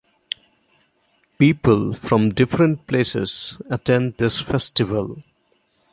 People from different places attend this festival.